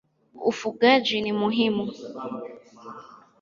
Ufugaji ni muhimu.